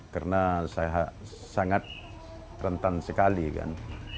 karena sangat rentan sekali kan